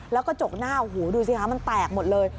แล้วก็จกหน้าหูดูฮะมันแตกหมดเลย